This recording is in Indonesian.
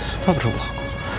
sista berubah aku